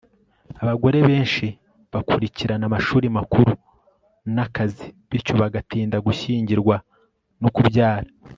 Abagore benshi bakurikirana amashuri makuru nakazi bityo bagatinda gushyingirwa no kubyara